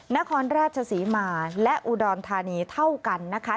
นครราชศรีมาและอุดรธานีเท่ากันนะคะ